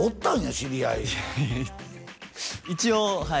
知り合い一応はい